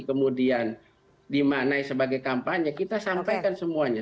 kemudian dimaknai sebagai kampanye kita sampaikan semuanya